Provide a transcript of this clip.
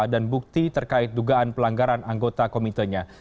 dan bukti terkait dugaan pelanggaran anggota komitenya